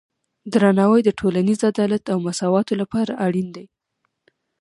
درناوی د ټولنیز عدالت او مساواتو لپاره اړین دی.